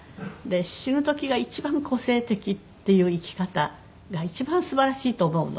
死ぬ時が一番個性的っていう生き方が一番素晴らしいと思うの。